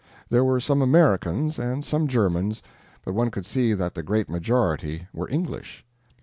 There were some Americans and some Germans, but one could see that the great majority were English.